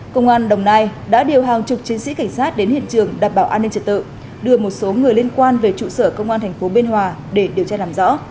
công an đồng nai đã điều hàng chục chiến sĩ cảnh sát đến hiện trường đảm bảo an ninh trật tự đưa một số người liên quan về trụ sở công an tp biên hòa để điều tra làm rõ